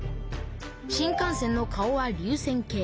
新幹線の顔は流線形。